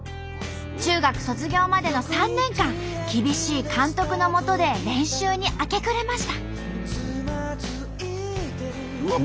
中学卒業までの３年間厳しい監督のもとで練習に明け暮れました。